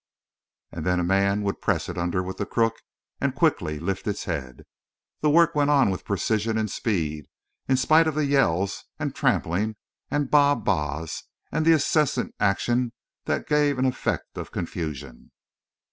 And then a man would press it under with the crook and quickly lift its head. The work went on with precision and speed, in spite of the yells and trampling and baa baas, and the incessant action that gave an effect of confusion.